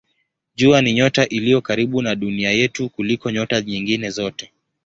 Jua ni nyota iliyo karibu na Dunia yetu kuliko nyota nyingine zote.